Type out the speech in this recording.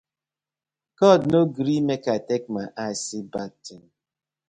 God no gree mek I take my eye see bad tin.